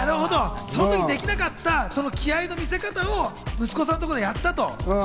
その時にできなかった気合の見せ方を息子さんのところでやったと。